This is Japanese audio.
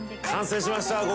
完成しました。